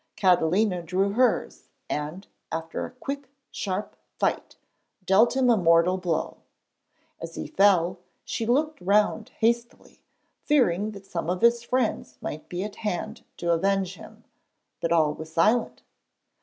Catalina drew hers, and, after a quick sharp fight, dealt him a mortal blow. As he fell, she looked round hastily, fearing that some of his friends might be at hand to avenge him, but all was silent.